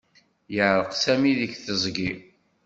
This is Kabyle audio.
Yeεreq Sami deg teẓgi.